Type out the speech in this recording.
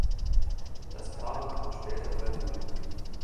Das Paar bekam später drei Söhne.